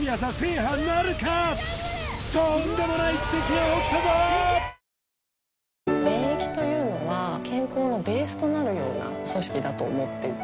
果たして免疫というのは健康のベースとなるような組織だと思っていて。